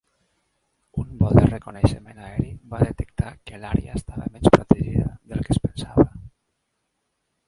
Un vol de reconeixement aeri va detectar que l'àrea estava menys protegida del que es pensava.